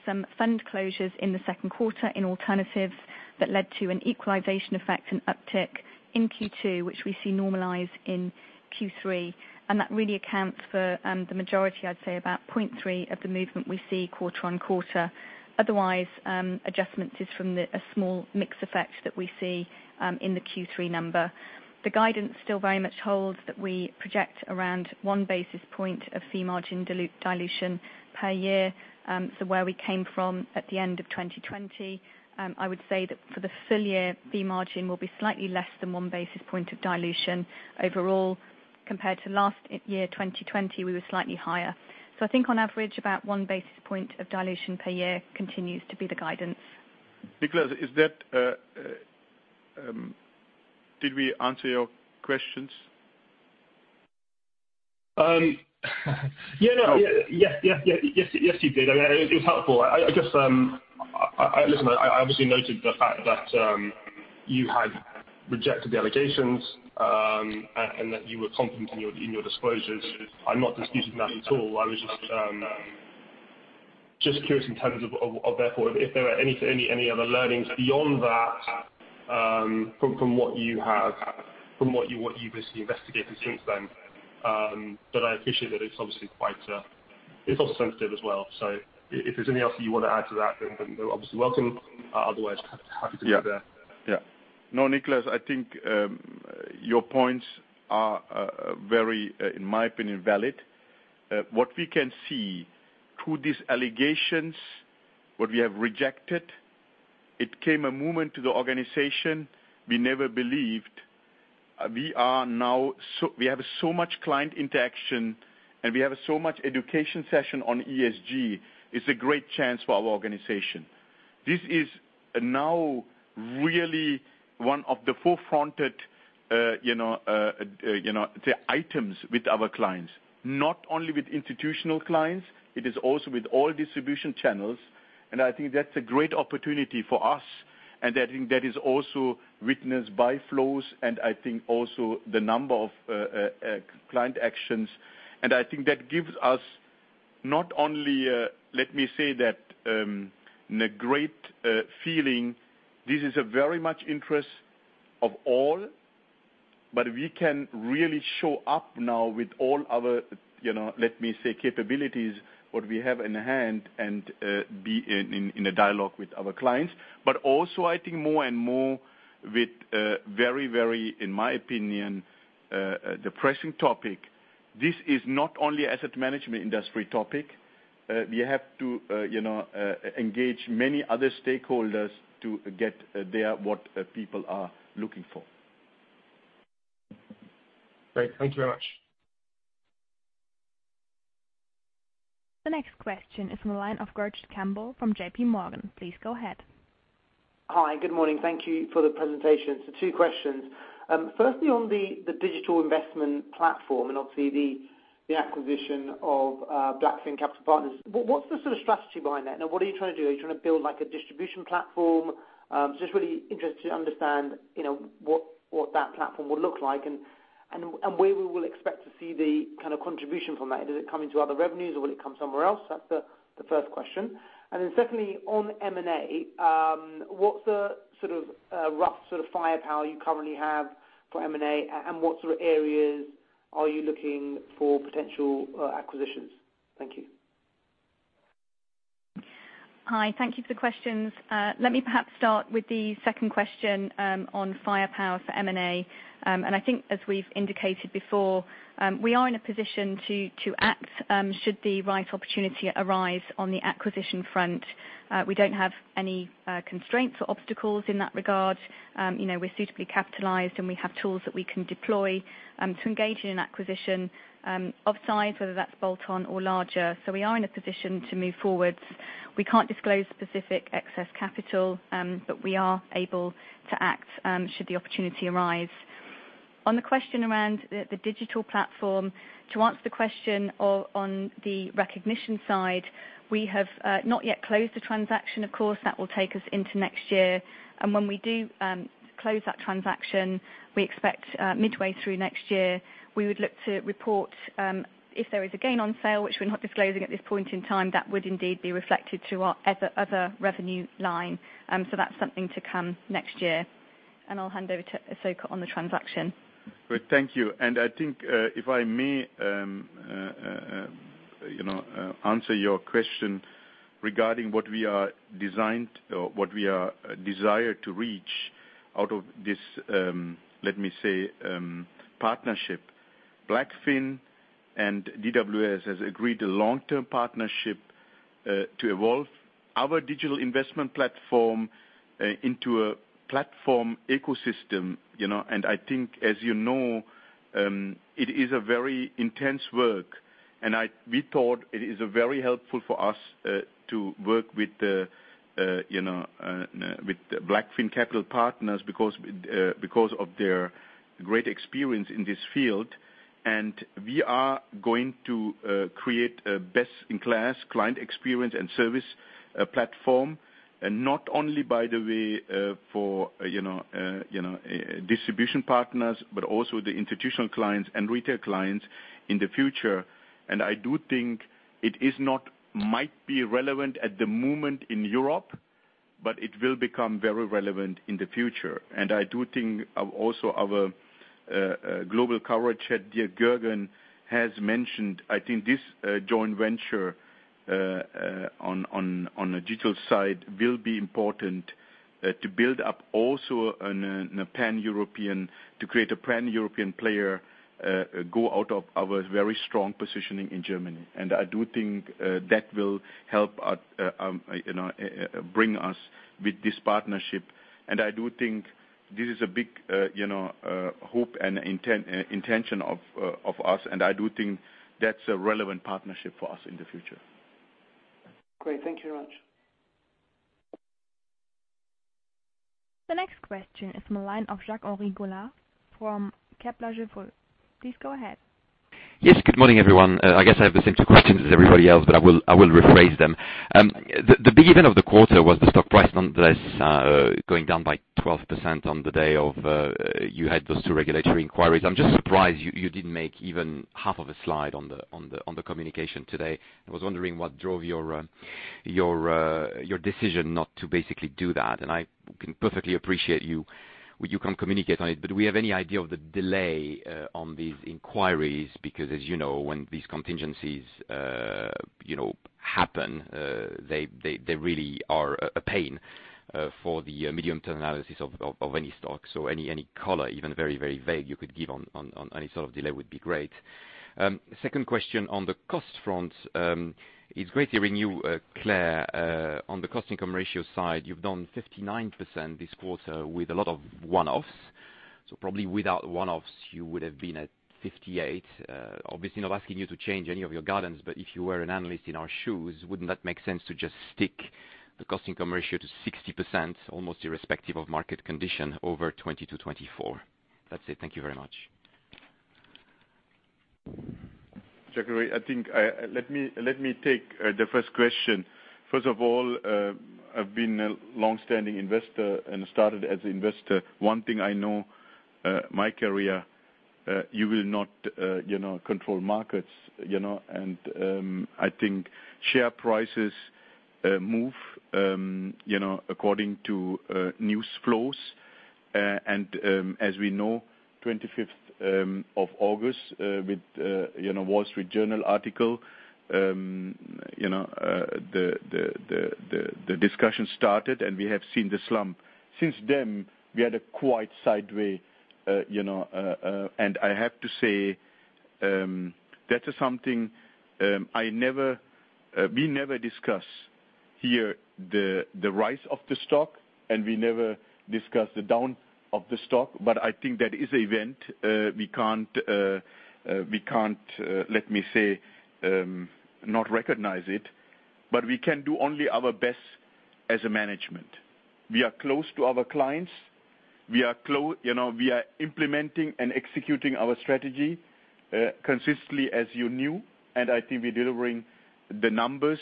some fund closures in the second quarter in alternatives that led to an equalization effect and uptick in Q2, which we see normalize in Q3. That really accounts for the majority, I'd say about 0.3 of the movement we see quarter on quarter. Otherwise, the adjustment is from a small mix effect that we see in the Q3 number. The guidance still very much holds that we project around 1 basis point of fee margin dilution per year to where we came from at the end of 2020. I would say that for the full year, fee margin will be slightly less than one basis point of dilution overall. Compared to last year, 2020, we were slightly higher. I think on average, about one basis point of dilution per year continues to be the guidance.
Nicholas, is that, did we answer your questions?
Yeah, no, yeah, yes, you did. I mean, it was helpful. I just, I obviously noted the fact that you had rejected the allegations, and that you were confident in your disclosures. I'm not disputing that at all. I was just curious in terms of therefore if there are any other learnings beyond that from what you basically investigated since then. I appreciate that it's obviously quite sensitive as well. If there's anything else that you wanna add to that, then you're obviously welcome. Otherwise happy to leave it there.
No, Nicholas, I think your points are very, in my opinion, valid. What we can see through these allegations, what we have rejected, it came at a moment to the organization we never believed. We have so much client interaction, and we have so much education session on ESG, it's a great chance for our organization. This is now really one of the forefront, you know, the items with our clients, not only with institutional clients, it is also with all distribution channels. I think that's a great opportunity for us. I think that is also witnessed by flows, and I think also the number of client actions. I think that gives us not only, let me say that, a great feeling, this is of very much interest to all, but we can really show up now with all our, you know, let me say, capabilities, what we have in hand and be in a dialogue with our clients. I think more and more with very, very in my opinion, pressing topic, this is not only asset management industry topic. We have to, you know, engage many other stakeholders to get to what people are looking for.
Great. Thank you very much.
The next question is from the line of George Campbell from JPMorgan. Please go ahead.
Hi. Good morning. Thank you for the presentation. Two questions. Firstly on the digital investment platform and obviously the acquisition of BlackFin Capital Partners. What's the sort of strategy behind that? Now, what are you trying to do? Are you trying to build like a distribution platform? Just really interested to understand, you know, what that platform would look like and where we will expect to see the kind of contribution from that. Does it come into other revenues or will it come somewhere else? That's the first question. Then secondly, on M&A, what's the sort of rough sort of firepower you currently have for M&A, and what sort of areas are you looking for potential acquisitions? Thank you.
Hi. Thank you for the questions. Let me perhaps start with the second question on firepower for M&A. I think as we've indicated before, we are in a position to act should the right opportunity arise on the acquisition front. We don't have any constraints or obstacles in that regard. You know, we're suitably capitalized, and we have tools that we can deploy to engage in an acquisition of size, whether that's bolt-on or larger. We are in a position to move forward. We can't disclose specific excess capital, but we are able to act should the opportunity arise. On the question around the digital platform, to answer the question on the recognition side, we have not yet closed the transaction, of course. That will take us into next year. When we do close that transaction, we expect midway through next year, we would look to report if there is a gain on sale, which we're not disclosing at this point in time, that would indeed be reflected through our other revenue line. That's something to come next year. I'll hand over to Asoka on the transaction.
Great. Thank you. I think, if I may, you know, answer your question regarding what we are doing or what we desire to get out of this, let me say, partnership. BlackFin and DWS has agreed a long-term partnership to evolve our digital investment platform into a platform ecosystem, you know. I think, as you know, it is a very intensive work. We thought it is very helpful for us to work with BlackFin Capital Partners because of their great experience in this field. We are going to create a best-in-class client experience and service platform. Not only by the way, for you know distribution partners, but also the institutional clients and retail clients in the future. I do think it might be relevant at the moment in Europe, but it will become very relevant in the future. I do think also our global coverage head, dear Jürgen, has mentioned, I think this joint venture on a digital side will be important to build up also a pan-European player, to go out of our very strong positioning in Germany. I do think that will help you know bring us with this partnership. I do think this is a big, you know, hope and intention of us, and I do think that's a relevant partnership for us in the future.
Great. Thank you very much.
The next question is from the line of Jacques-Henri Gaulard from Kepler Cheuvreux. Please go ahead.
Yes. Good morning, everyone. I guess I have the same two questions as everybody else, but I will rephrase them. The big event of the quarter was the stock price nonetheless going down by 12% on the day of those two regulatory inquiries. I'm just surprised you didn't make even half of a slide on the communication today. I was wondering what drove your decision not to basically do that. I can perfectly appreciate you when you can communicate on it, but do we have any idea of the delay on these inquiries, because as you know, when these contingencies you know happen, they really are a pain for the medium term analysis of any stock. Any color, even very vague you could give on any sort of delay would be great. Second question on the cost front, it's great hearing you, Claire, on the cost income ratio side, you've done 59% this quarter with a lot of one-offs. Probably without one-offs you would've been at 58%. Obviously not asking you to change any of your guidance, but if you were an analyst in our shoes, wouldn't that make sense to just stick the cost income ratio to 60% almost irrespective of market condition over 2020 to 2024? That's it. Thank you very much.
Jacques-Henri, I think, let me take the first question. First of all, I've been a long-standing investor and started as investor. One thing I know, my career, you will not, you know, control markets, you know? I think share prices move, you know, according to news flows. As we know, 25th of August, with, you know, Wall Street Journal article, you know, the discussion started and we have seen the slump. Since then we had a quite sideways, you know, and I have to say, that is something, I never, we never discuss here the rise of the stock, and we never discuss the down of the stock, but I think that is an event. We can't let me say not recognize it, but we can do only our best as management. We are close to our clients. You know, we are implementing and executing our strategy consistently as you knew. I think we're delivering the numbers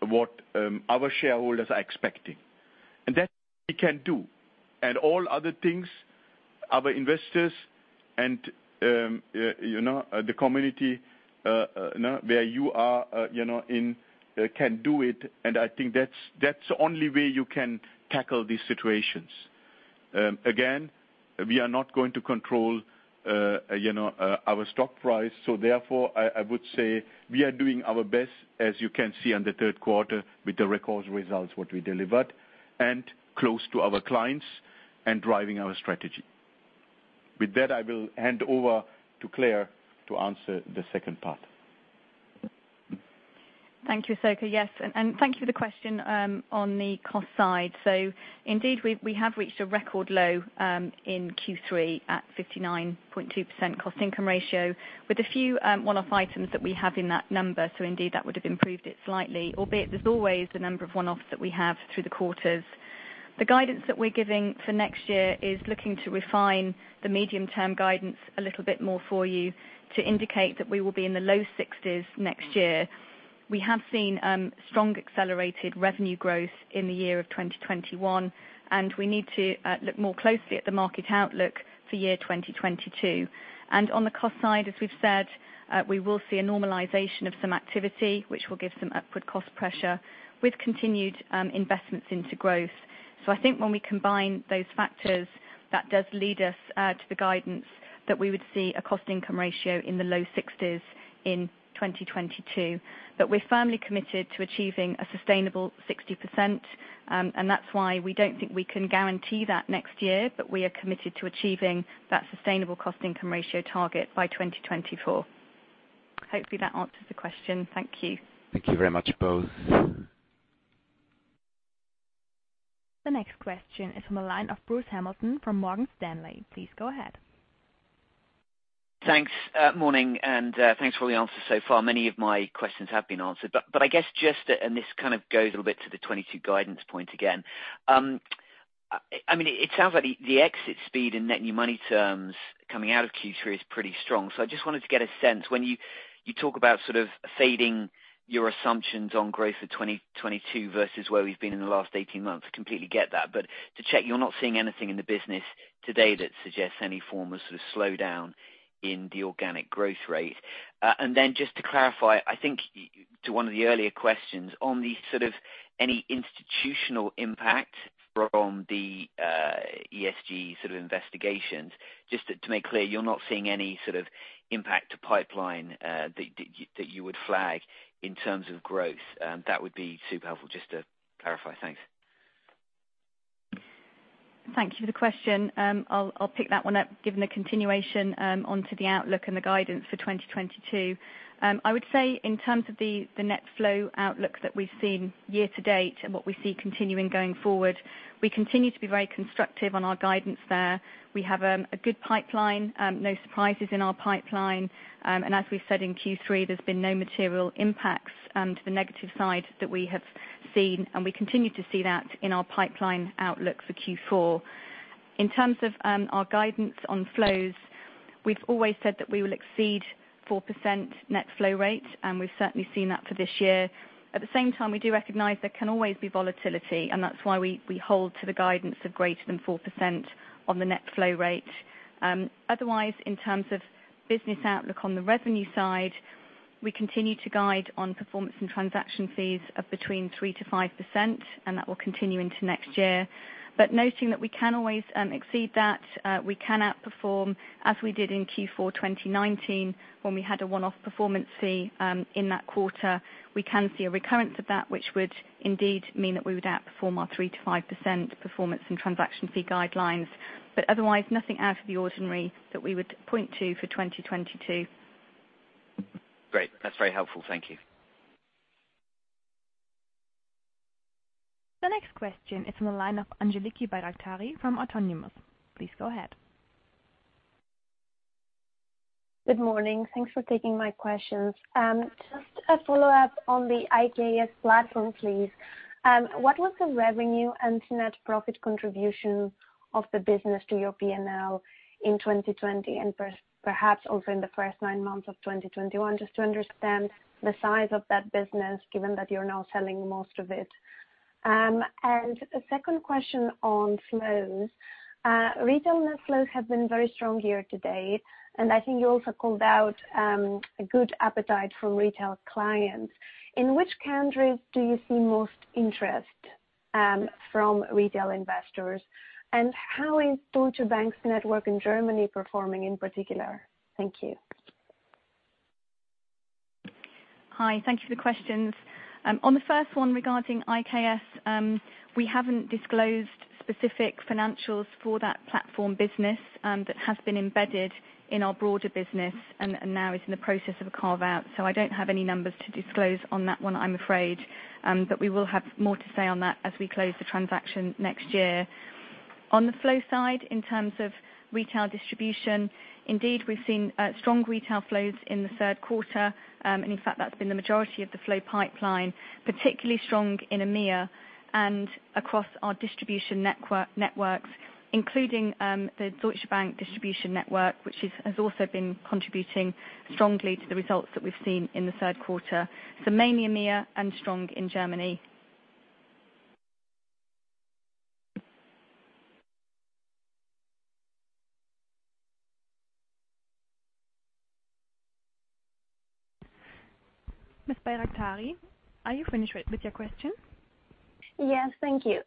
that our shareholders are expecting. That we can do. All other things, our investors and you know where you are you know in can do it. I think that's the only way you can tackle these situations. Again, we are not going to control you know our stock price. I would say we are doing our best as you can see in the third quarter with the record results what we delivered, and close to our clients and driving our strategy. With that, I will hand over to Claire to answer the second part.
Thank you, Thierry. Yes. Thank you for the question on the cost side. Indeed, we have reached a record low in Q3 at 59.2% cost income ratio with a few one-off items that we have in that number. Indeed, that would've improved it slightly, albeit there's always a number of one-offs that we have through the quarters. The guidance that we're giving for next year is looking to refine the medium term guidance a little bit more for you to indicate that we will be in the low 60s next year. We have seen strong accelerated revenue growth in the year of 2021, and we need to look more closely at the market outlook for year 2022. On the cost side, as we've said, we will see a normalization of some activity which will give some upward cost pressure with continued investments into growth. I think when we combine those factors, that does lead us to the guidance that we would see a cost income ratio in the low 60s in 2022. We are firmly committed to achieving a sustainable 60%, and that's why we don't think we can guarantee that next year, but we are committed to achieving that sustainable cost income ratio target by 2024. Hopefully that answers the question. Thank you.
Thank you very much, both.
The next question is from a line of Bruce Hamilton from Morgan Stanley. Please go ahead.
Thanks. Morning, and thanks for all the answers so far. Many of my questions have been answered, but I guess just to this kind of goes a little bit to the 2022 guidance point again. I mean, it sounds like the exit speed in net new money terms coming out of Q3 is pretty strong. So I just wanted to get a sense when you talk about sort of fading your assumptions on growth for 2022 versus where we've been in the last 18 months. Completely get that. But to check you're not seeing anything in the business today that suggests any form of sort of slowdown in the organic growth rate. Just to clarify, I think to one of the earlier questions on the sort of any institutional impact from the ESG sort of investigations, just to make clear, you're not seeing any sort of impact to pipeline, that you would flag in terms of growth. That would be super helpful just to clarify. Thanks.
Thank you for the question. I'll pick that one up, given the continuation onto the outlook and the guidance for 2022. I would say in terms of the net flow outlook that we've seen year to date and what we see continuing going forward, we continue to be very constructive on our guidance there. We have a good pipeline, no surprises in our pipeline. And as we've said in Q3, there's been no material impacts to the negative side that we have seen, and we continue to see that in our pipeline outlook for Q4. In terms of our guidance on flows. We've always said that we will exceed 4% net flow rate, and we've certainly seen that for this year. At the same time, we do recognize there can always be volatility, and that's why we hold to the guidance of greater than 4% on the net flow rate. Otherwise, in terms of business outlook on the revenue side, we continue to guide on performance and transaction fees of between 3%-5%, and that will continue into next year. Noting that we can always exceed that. We can outperform as we did in Q4 2019 when we had a one-off performance fee in that quarter. We can see a recurrence of that which would indeed mean that we would outperform our 3%-5% performance and transaction fee guidelines. Otherwise nothing out of the ordinary that we would point to for 2022.
Great. That's very helpful. Thank you.
The next question is from the line of Angeliki Bairaktari from Autonomous. Please go ahead.
Good morning. Thanks for taking my questions. Just a follow-up on the IKS platform, please. What was the revenue and net profit contribution of the business to your P&L in 2020 and perhaps also in the first nine months of 2021, just to understand the size of that business given that you're now selling most of it. And a second question on flows. Retail net flows have been very strong here today, and I think you also called out a good appetite from retail clients. In which countries do you see most interest from retail investors? How is Deutsche Bank's network in Germany performing in particular? Thank you.
Hi. Thank you for the questions. On the first one regarding IKS, we haven't disclosed specific financials for that platform business that has been embedded in our broader business and now is in the process of a carve-out. I don't have any numbers to disclose on that one, I'm afraid. But we will have more to say on that as we close the transaction next year. On the flow side, in terms of retail distribution, indeed, we've seen strong retail flows in the third quarter. In fact, that's been the majority of the flow pipeline, particularly strong in EMEA and across our distribution network, including the Deutsche Bank distribution network, which has also been contributing strongly to the results that we've seen in the third quarter. Mainly EMEA and strong in Germany.
Ms. Bairaktari, are you finished with your questions?
Yes. Thank you.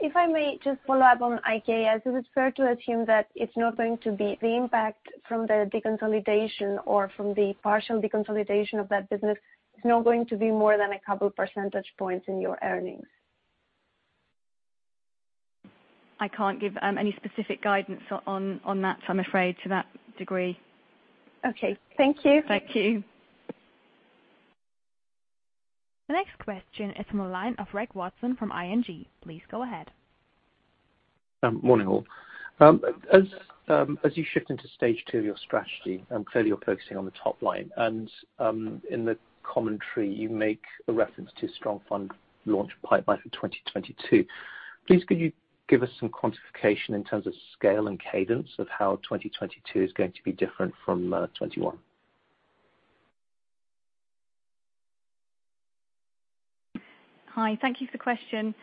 If I may just follow up on IKS. Is it fair to assume that it's not going to be the impact from the deconsolidation or from the partial deconsolidation of that business is not going to be more than a couple percentage points in your earnings?
I can't give any specific guidance on that, I'm afraid, to that degree.
Okay. Thank you.
Thank you.
The next question is from the line of Greg Watson from ING. Please go ahead.
Morning, all. As you shift into stage two of your strategy, and clearly you're focusing on the top line, and in the commentary you make a reference to strong fund launch pipeline for 2022. Please could you give us some quantification in terms of scale and cadence of how 2022 is going to be different from 2021?
Hi. Thank you for the question.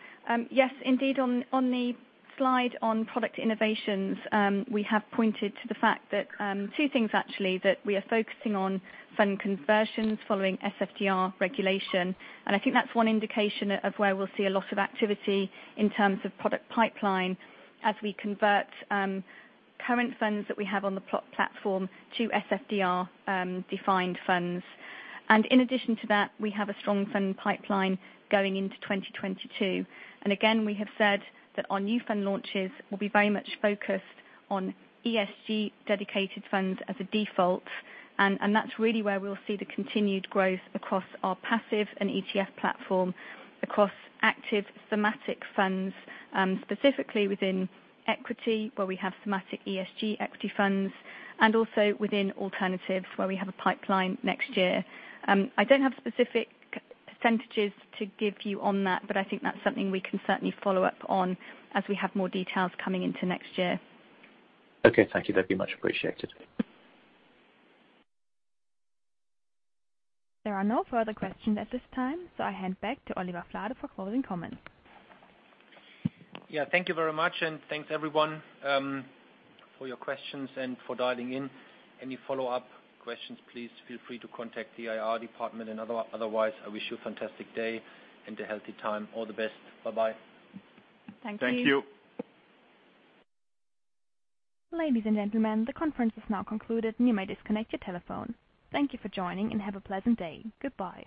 Yes, indeed, on the slide on product innovations, we have pointed to the fact that two things actually, that we are focusing on fund conversions following SFDR regulation. I think that's one indication of where we'll see a lot of activity in terms of product pipeline as we convert current funds that we have on our platform to SFDR defined funds. In addition to that, we have a strong fund pipeline going into 2022. Again, we have said that our new fund launches will be very much focused on ESG dedicated funds as a default. That's really where we'll see the continued growth across our passive and ETF platform, across active thematic funds, specifically within equity, where we have thematic ESG equity funds, and also within alternatives, where we have a pipeline next year. I don't have specific percentages to give you on that, but I think that's something we can certainly follow up on as we have more details coming into next year.
Okay. Thank you. That'd be much appreciated.
There are no further questions at this time. I hand back to Oliver Flade for closing comments.
Yeah. Thank you very much. Thanks, everyone, for your questions and for dialing in. Any follow-up questions, please feel free to contact the IR department. Otherwise, I wish you a fantastic day and a healthy time. All the best. Bye-bye.
Thank you.
Thank you.
Ladies and gentlemen, the conference is now concluded. You may disconnect your telephone. Thank you for joining, and have a pleasant day. Goodbye.